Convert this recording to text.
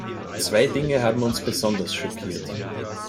Zwei Dinge haben uns besonders schockiert.